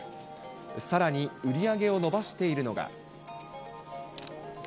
さらに、売り上げを伸ばしているのが。